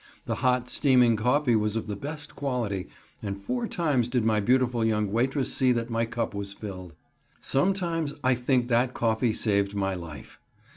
The hot, steaming coffee was of the best quality, and four times did my beautiful young waitress see that my cup was filled. Sometimes I think that coffee saved my life.